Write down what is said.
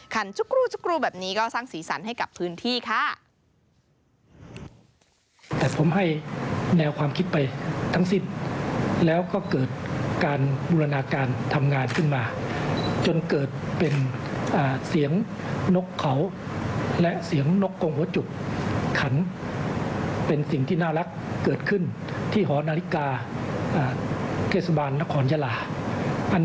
ขั่นจุ๊กรู่แบบนี้ก็สร้างสีสันให้กลับพื้นที่ค่า